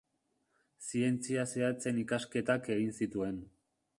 Zientzia zehatzen ikasketak egin zituen.